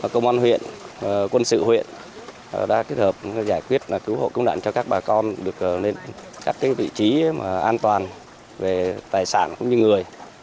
công an huyện quân sự huyện đã kết hợp giải quyết cứu hộ công đoạn cho các bà con được lên các vị trí an toàn về tài sản cũng như người